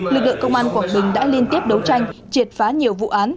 lực lượng công an quảng bình đã liên tiếp đấu tranh triệt phá nhiều vụ án